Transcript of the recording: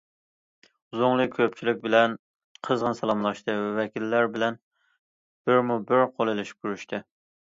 زۇڭلى كۆپچىلىك بىلەن قىزغىن سالاملاشتى، ۋەكىللەر بىلەن بىرمۇبىر قول ئېلىشىپ كۆرۈشتى.